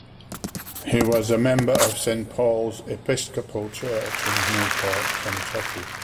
He was a member of Saint Paul's Episcopal Church in Newport, Kentucky.